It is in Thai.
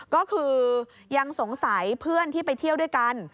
ก็คือยังสงสัยเพื่อนที่ไปเที่ยวด้วยกัน